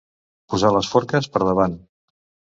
Posar les forques per davant.